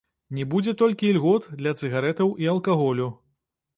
Не будзе толькі ільгот для цыгарэтаў і алкаголю.